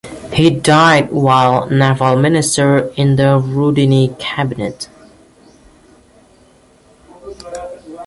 He died while Naval Minister in the Rudini cabinet.